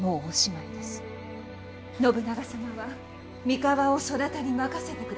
信長様は三河をそなたに任せてくださると。